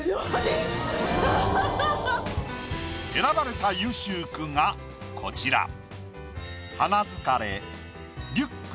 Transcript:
選ばれた優秀句がこちら。